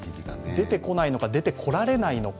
出てこないのか出てこられないのか